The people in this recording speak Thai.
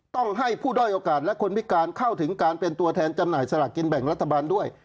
ต้องให้ผู้ด้อยโอกาสและคนพิการเข้าถึงการเป็นตัวแทนจำหน่ายสลากกินแบ่งรัฐบาลด้วย